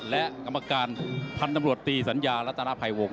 และกรรมการพันธนับรวดตีสัญญารัตราไพ่วงศ์